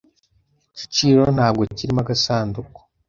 Igiciro ntabwo kirimo agasanduku.